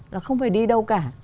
là không phải đi đâu cả